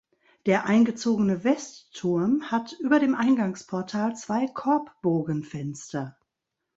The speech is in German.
Der eingezogene Westturm hat über dem Eingangsportal zwei Korbbogenfenster.